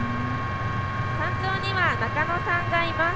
山頂には中野さんがいます。